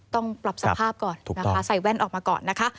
ต้องปรับสภาพก่อนนะคะใส่แว่นออกมาก่อนนะคะ